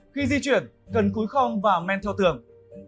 khi di chuyển cần cúi khong và men theo tường